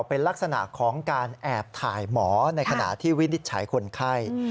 เป็นลักษณะของการแอบถ่ายหมอในขณะที่วินิจฉัยคนไข้